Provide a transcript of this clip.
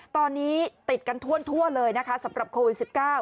ตอนนี้ติดกันทั่วเลยนะคะสำหรับโควิด๑๙